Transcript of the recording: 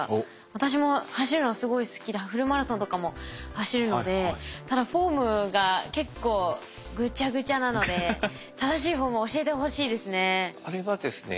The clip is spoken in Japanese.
私も走るのがすごい好きでフルマラソンとかも走るのでただフォームが結構ぐちゃぐちゃなので正しいフォームを教えてほしいですね。